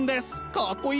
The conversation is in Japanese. かっこいい！